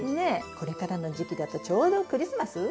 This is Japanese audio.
これからの時期だとちょうどクリスマス。